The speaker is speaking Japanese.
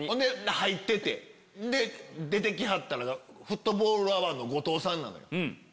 入ってて出て来はったらフットボールアワーの後藤さんなのよ。